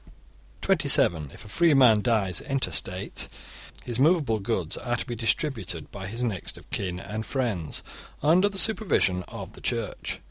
(27) If a free man dies intestate, his movable goods are to be distributed by his next of kin and friends, under the supervision of the Church.